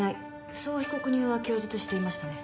そう被告人は供述していましたね。